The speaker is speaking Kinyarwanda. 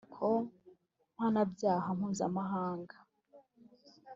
n urukiko mpanabyaha mpuzamahanga